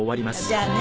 じゃあね。